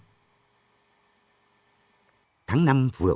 tháng năm vừa qua doosan vina đã tạo ra một công ty công nghiệp nặng doosan việt nam